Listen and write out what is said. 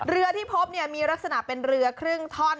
เรือที่พบเนี่ยมีลักษณะเป็นเรือครึ่งท่อน